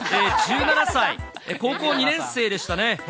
１７歳、高校２年生でしたね。